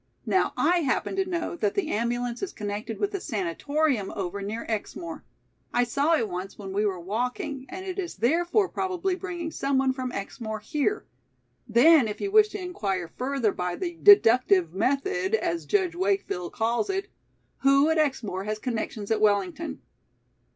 Now I happen to know that the ambulance is connected with the sanitarium over near Exmoor. I saw it once when we were walking, and it is therefore probably bringing someone from Exmoor here. Then if you wish to inquire further by the 'deductive method,' as Judge Wakefield calls it: who at Exmoor has connections at Wellington?"